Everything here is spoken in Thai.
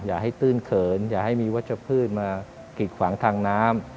อย่าให้ตื้นเขินอย่าให้มีวัชพืชมากีดขวางทางน้ำ